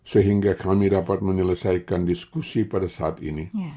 sehingga kami dapat menyelesaikan diskusi pada saat ini